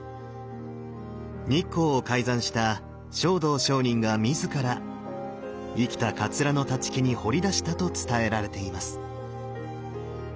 日光を開山した勝道上人が自ら生きた桂の立木に彫り出したと伝えられています。